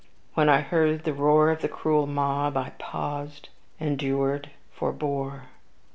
When I heard the roar of the cruel mob, I paused endured forbore.